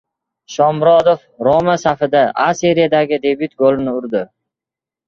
Shomurodov “Roma” safida A Seriyadagi debyut golini urdi